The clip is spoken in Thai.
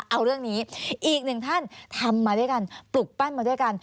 เอาเรื่องนี้อีกหนึ่งท่านทำมาด้วยกันปลุกปั้นมาด้วยกัน